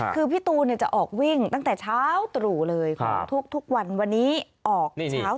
คือพี่ตูจะออกวิ่งตั้งแต่เช้าตรู่เลยทุกวันวันนี้ออกเช้าตรู่เหมือนกัน